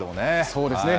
そうですね。